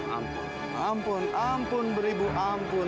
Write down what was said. ampun ampun beribu ampun